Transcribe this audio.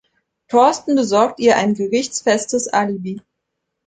Torsten besorgt ihr ein gerichtsfestes Alibi.